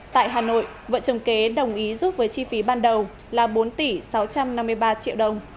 tại hà nội vợ chồng kế đồng ý giúp với chi phí ban đầu là bốn tỷ sáu trăm năm mươi ba triệu đồng